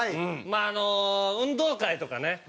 まああの運動会とかね。